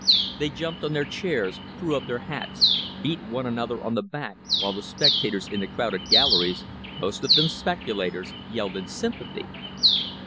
They jumped on their chairs, threw up their hats, beat one an other on the back, while the spectators in the crowded gal leries, most of them speculators, yelled in sympathy.